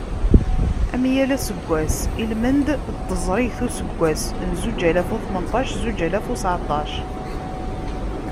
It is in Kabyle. Am yal aseggas, i lmend n teẓrigt n useggas n zuǧ alaf u tmenṭac, zuǧ alaf u tteɛṭac.